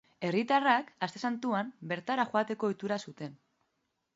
Herritarrak Aste Santuan bertara joateko ohitura zuten.